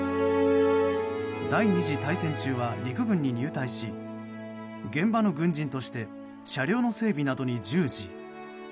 第２次大戦中は陸軍に入隊し現場の軍人として車両の整備などに従事。